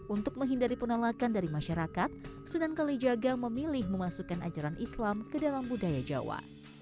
untuk menghindari penolakan dari masyarakat sunan kalijaga memilih memasukkan ajaran islam ke dalam budaya jawa